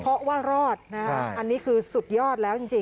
เพราะว่ารอดอันนี้คือสุดยอด